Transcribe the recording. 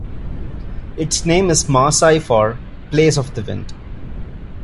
Its name is Maasai for "Place of the Wind".